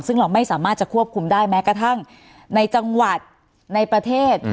ซึ่งเราไม่สามารถจะควบคุมได้แม้กระทั่งในจังหวัดในประเทศ